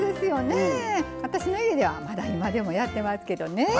私の家では今でもやってますけどね。